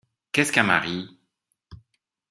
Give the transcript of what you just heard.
Qu’est-ce qu’un mari ?